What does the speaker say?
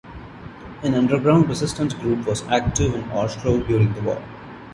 An underground resistance group was active in Ostrov during the war.